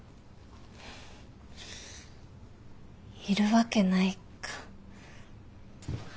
いるわけないか。